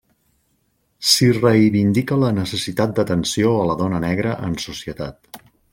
S’hi reivindica la necessitat d’atenció a la dona negra en societat.